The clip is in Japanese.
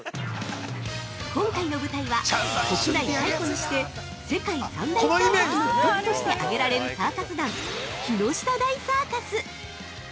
◆今回の舞台は、国内最古にして世界３大サーカスの１つとしてあげられるサーカス団、木下大サーカス！